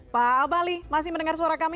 pak abali masih mendengar suara kami